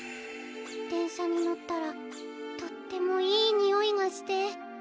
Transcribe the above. でんしゃにのったらとってもいいにおいがして。